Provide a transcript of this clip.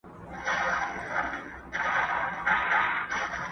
چاویل چي چوروندک د وازګو ډک دی!!